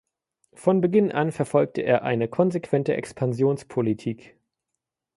Von Beginn an verfolgte er eine konsequente Expansionspolitik.